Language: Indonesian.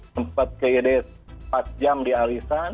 sempat ke id empat jam di alisan